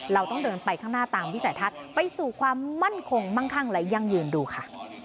เราต้องเดินไปข้างหน้าตามวิสัยทัศน์ไปสู่ความมั่นคงมั่งคั่งและยั่งยืนดูค่ะ